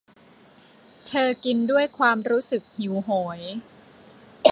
เธอกินด้วยความรู้สึกหิวโหย